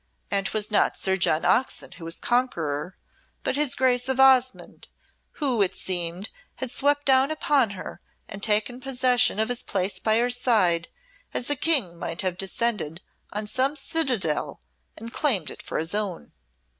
And 'twas not Sir John Oxon who was conqueror, but his Grace of Osmonde, who, it seemed, had swept down upon her and taken possession of his place by her side as a King might have descended on some citadel and claimed it for his own.